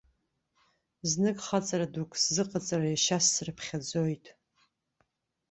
Знык хаҵара дук сзыҟаҵар, ешьас срыԥхьаӡоит.